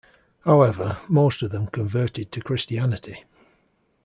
However, most of them converted to Christianity.